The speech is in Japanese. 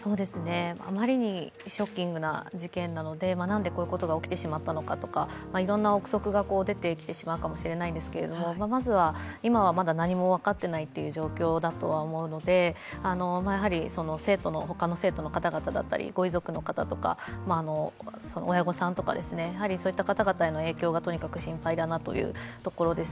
あまりにショッキングな事件なので何でこういうことが起きてしまったのかいろいろな臆測が出てきてしまうと思うんですけれども、まずは今はまだ何も分かっていないという状況だと思うので、他の生徒の方々だったりご遺族の方とか親御さんとか、そういった方々への影響がとにかく心配だなというところです。